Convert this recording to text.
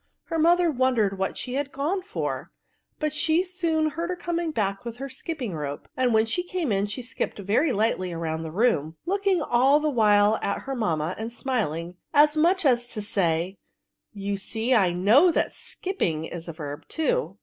Her mother wondered what die was gone for ; but she soon heard her coming back with her skipping rope ; and when she came in, she skipped very lightly roimd the room, looking all the while at her mamma, and smiling, as much as to say, " You see I know that skipping is a verb too."